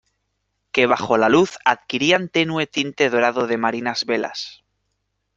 que bajo la luz adquirían tenue tinte dorado de marinas velas.